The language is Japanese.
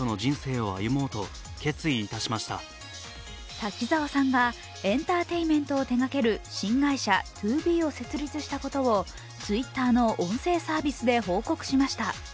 滝沢さんがエンターテインメントを手掛ける新会社、ＴＯＢＥを設立したことをＴｗｉｔｔｅｒの音声サービスで報告しました。